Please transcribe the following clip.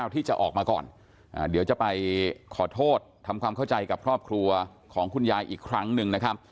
ที่จะออกมาก่อนเดี๋ยวจะไปขอโทษทำความเข้าใจกับครอบครัวของคุณยายอีกครั้งหนึ่งนะครับ